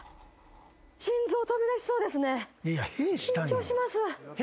緊張します。